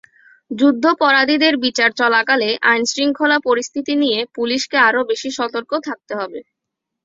যুদ্ধাপরাধীদের বিচার চলাকালে আইনশৃঙ্খলা পরিস্থিতি নিয়ে পুলিশকে আরও বেশি সতর্ক থাকতে হবে।